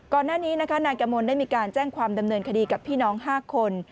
ก่อนหน้านี้นะคะนายกมลได้มีการแจ้งความดำเนินคดีกับพี่น้อง๕คน